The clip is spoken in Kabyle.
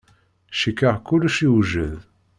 Cikkeɣ kullec yewjed.